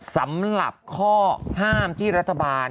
สำหรับข้อห้ามที่รัฐบาล